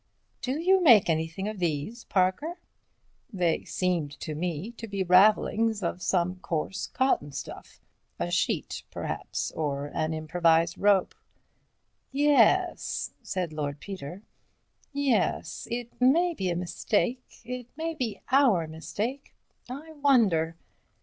"Do you make anything of these, Parker?" "They seemed to me to be ravellings of some coarse cotton stuff—a sheet, perhaps, or an improvised rope." "Yes," said Lord Peter—"yes. It may be a mistake—it may be our mistake. I wonder.